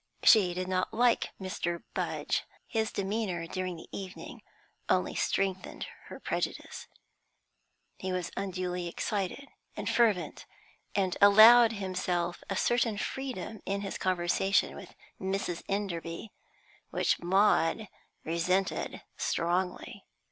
She did not like Mr. Rudge, and his demeanour during the evening only strengthened her prejudice. He was unduly excited and fervent, and allowed himself a certain freedom in his conversation with Mrs. Enderby which Maud resented strongly.